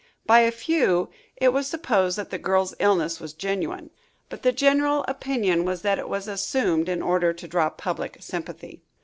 By a few it was supposed that the girl's illness was genuine, but the general opinion was that it was assumed, in order to draw public sympathy.